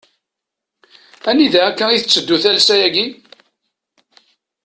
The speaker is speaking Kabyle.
Anida akka i tetteddu talsa-agi.?